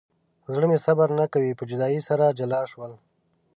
زړه مې صبر نه کوي په جدایۍ سره جلا شول.